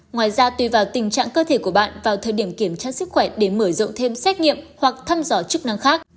ngoài ra tùy vào tình trạng cơ thể của bạn vào thời điểm kiểm tra sức khỏe để mở rộng thêm xét nghiệm hoặc thăm dò chức năng khác